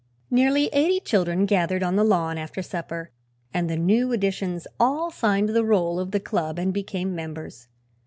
Nearly eighty children gathered on the lawn after supper and the new additions all signed the roll of the club and became members.